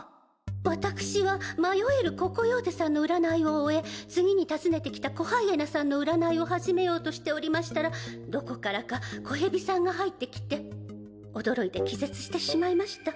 私は迷える子コヨーテさんの占いを終え次に訪ねてきた子ハイエナさんの占いを始めようとしておりましたらどこからか子ヘビさんが入ってきて驚いて気絶してしまいました。